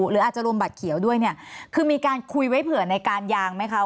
หรืออาจจะรวมบัตรเขียวด้วยเนี่ยคือมีการคุยไว้เผื่อในการยางไหมคะ